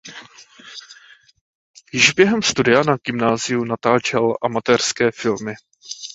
Již během studia na gymnáziu natáčel amatérské filmy.